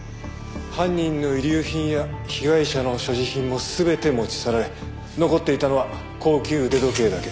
犯人の遺留品や被害者の所持品も全て持ち去られ残っていたのは高級腕時計だけ。